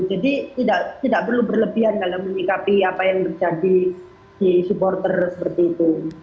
jadi tidak perlu berlebihan dalam menikapi apa yang terjadi di supporter seperti itu